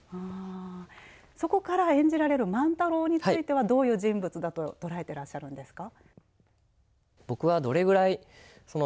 そこから演じられる万太郎については、どういう人物だと捉えてらっしゃるんですか？